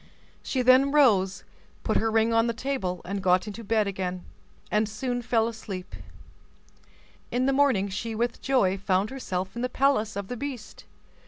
She then rose, put her ring on the table, got into bed again, and soon fell asleep. In the morning she with joy found herself in the palace of the beast.